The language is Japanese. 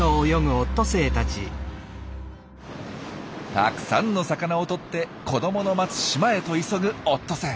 たくさんの魚をとって子どもの待つ島へと急ぐオットセイ。